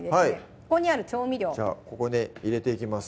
ここにある調味料じゃここに入れていきます